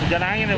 hujan angin pak